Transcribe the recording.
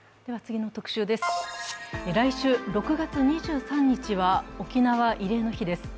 来週６月２３日は、沖縄慰霊の日です。